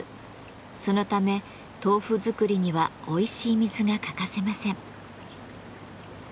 そのため豆腐作りにはおいしい水が欠かせません。